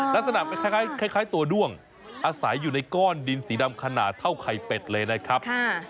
ลักษณะคล้ายตัวด้วงอาศัยอยู่ในก้อนดินสีดำขนาดเท่าไข่เป็ดเลยนะครับ